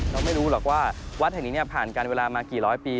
เราไม่รู้หรอกว่าวัดแห่งนี้ผ่านการเวลามากี่ร้อยปี